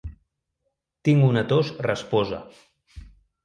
Tinc una tos rasposa.